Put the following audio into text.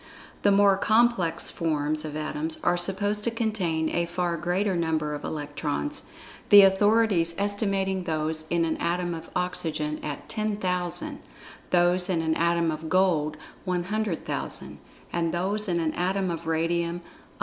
The more complex forms of Atoms are supposed to contain a far greater number of Electrons, the authorities estimating those in an Atom of Oxygen at 10,000; those in an Atom of Gold, 100,000; and those in an Atom of Radium, 150,000.